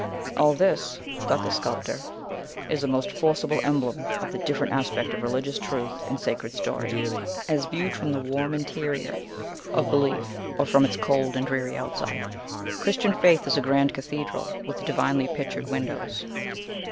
"All this," thought the sculptor, "is a most forcible emblem of the different aspect of religious truth and sacred story, as viewed from the warm interior of belief, or from its cold and dreary outside. Christian faith is a grand cathedral, with divinely pictured windows.